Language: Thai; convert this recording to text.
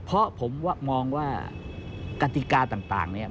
เพราะผมมองว่ากติกาต่างเนี่ย